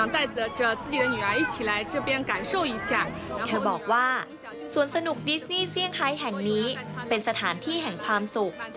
เธอบอกว่าสวนสนุกดิสนี่เซี่ยงไฮแห่งนี้เป็นสถานที่แห่งความสุข